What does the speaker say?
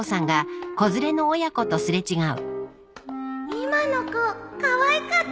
今の子かわいかったね